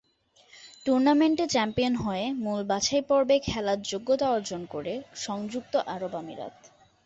টুর্নামেন্টে চ্যাম্পিয়ন হয়ে মূল বাছাইপর্বে খেলার যোগ্যতা অর্জন করে সংযুক্ত আরব আমিরাত।